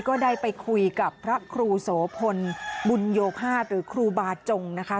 ก็ได้ไปคุยกับพระครูโสพลบุญโยภาษหรือครูบาจงนะคะ